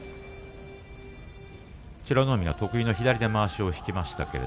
美ノ海、得意な左でまわしを引きました。